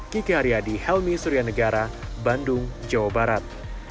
kiki haryadi helmi surya negara bandung jawa barat